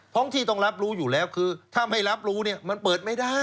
ห้องที่ต้องรับรู้อยู่แล้วคือถ้าไม่รับรู้เนี่ยมันเปิดไม่ได้